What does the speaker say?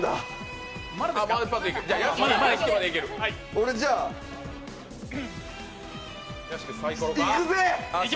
俺じゃあいくぜ！